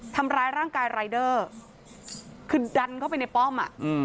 ทำร้ายร่างกายรายเดอร์คือดันเข้าไปในป้อมอ่ะอืม